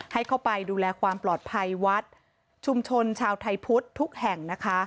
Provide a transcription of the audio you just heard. ให้เข้าไปดูแลความปลอดภัยวัดชุมชนชาวไทยพุทธทุกแห่งนะคะ